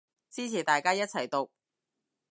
支持大家一齊毒